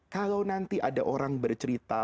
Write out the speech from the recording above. kalau nanti ada orang bercerita